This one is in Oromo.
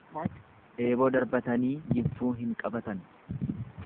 Eeboo darbatanii jinfuu hin qabatan.